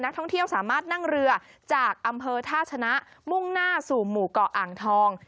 ท่องเที่ยวสามารถนั่งเรือจากอำเภอท่าชนะมุ่งหน้าสู่หมู่เกาะอ่างทอง